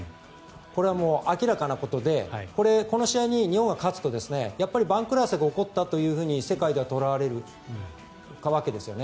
これは明らかなことでこれ、この試合に日本が勝つと番狂わせが起こったと世界では捉えられるわけですよね。